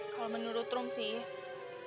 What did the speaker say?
kalau menurut rum sih